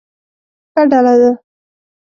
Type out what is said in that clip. ښه ډله ده.